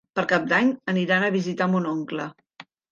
Per Cap d'Any aniran a visitar mon oncle.